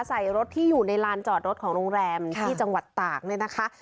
ใส่รถที่อยู่ในลานจอดรถของโรงแรมที่จังหวัดตากเนี่ยนะคะ